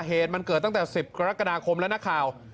เหตุมันเกิดตั้งแต่๑๐กรกฎาคมแล้วนักข่าว